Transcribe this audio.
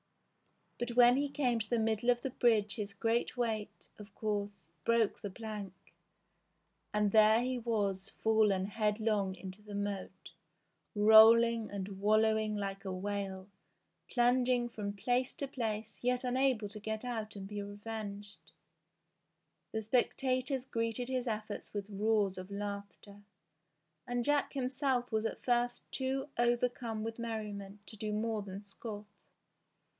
But when he came to the middle of the bridge his great weight, of course, broke the plank, and there he was fallen headlong into the moat, rolling and wallowing like a whale, plung ing from place to place yet unable to get out and be revenged. The spectators greeted his efforts with roars of laughter, and Jack himself was at first too overcome with merriment to do more than scoff.